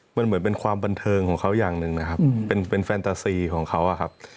มันเหมือนเป็นความบันเทิงของเขาอย่างหนึ่งนะครับเป็นแฟนตาซีของเขาอะครับ